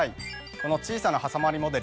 この小さなはさまりモデル